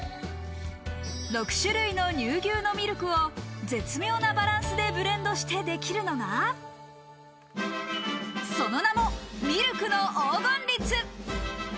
６種類の乳牛のミルクを絶妙なバランスでブレンドして出来るのが、その名もミルクの黄金律。